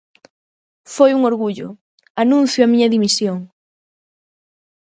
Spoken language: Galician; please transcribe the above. Foi un orgullo, anuncio a miña dimisión.